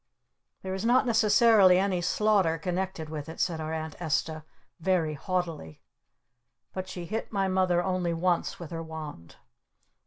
"There is not necessarily any slaughter connected with it," said our Aunt Esta very haughtily. But she hit my Mother only once with her wand.